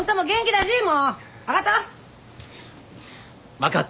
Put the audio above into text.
分かった。